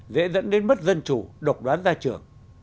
dễ dẫn đến mất dân chủ độc đoán gia trường